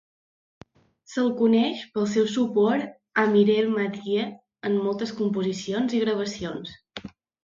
Se'l coneix pel seu suport a Mireille Mathieu en moltes composicions i gravacions.